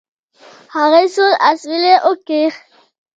هغې سوړ اسويلى وکېښ.